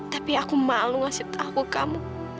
tapi aku malu ngasih tahu kamu